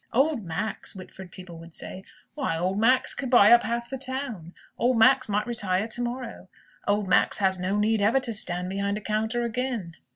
"Old Max!" Whitford people would say. "Why, old Max could buy up half the town. Old Max might retire to morrow. Old Max has no need ever to stand behind a counter again."